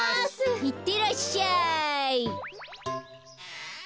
いってらっしゃい。